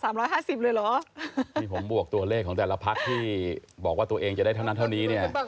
นี่ผมบวกตัวเลขของแต่ละพักที่บอกว่าตัวเองจะได้เท่านั้นเท่านี้เนี่ย